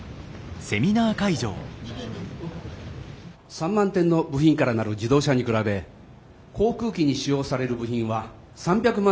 ３万点の部品からなる自動車に比べ航空機に使用される部品は３００万点にも上ります。